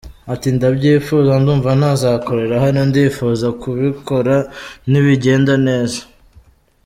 Ati “Ndabyifuza, ndumva nazakorera hano, ndifuza kubikora nibigenda neza.